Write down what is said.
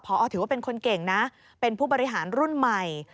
พอถือว่าเป็นคนเก่งนะเป็นผู้บริหารรุ่นใหม่